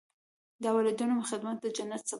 د والدینو خدمت د جنت سبب دی.